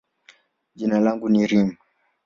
jina langu ni Reem.